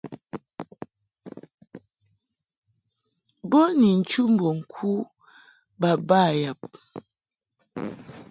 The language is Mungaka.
Bo ni nchu mbo ŋku baba yab.